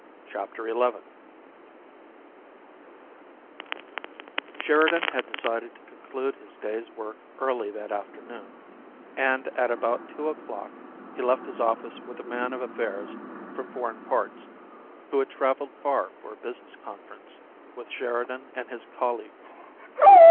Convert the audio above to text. CHAPTER XI Sheridan had decided to conclude his day's work early that afternoon, and at about two o'clock he left his office with a man of affairs from foreign parts, who had traveled far for a business conference with Sheridan and his colleagues.